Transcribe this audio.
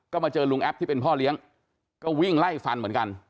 ก็มาเจอลุงแอปที่เป็นพ่อเลี้ยงก็วิ่งไล่ฟันเหมือนกัน